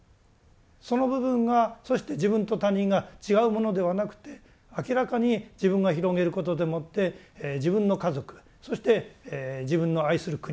その部分がそして自分と他人が違うものではなくて明らかに自分が広げることでもって自分の家族そして自分の愛する国